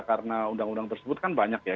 karena undang undang tersebut kan banyak ya